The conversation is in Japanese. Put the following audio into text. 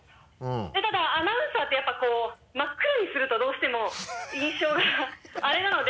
ただアナウンサーってやっぱこう真っ黒にするとどうしても印象がアレなので。